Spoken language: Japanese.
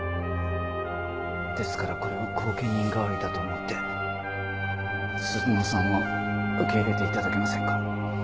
ですからこれを後見人代わりだと思って鈴乃さんを受け入れて頂けませんか？